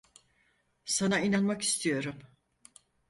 Sana inanmak istiyorum.